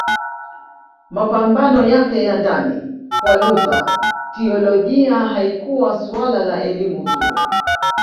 Mapambano yake ya ndani Kwa Luther teolojia haikuwa suala la elimu tu